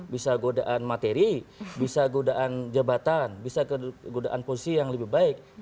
bisa godaan materi bisa godaan jabatan bisa godaan posisi yang lebih baik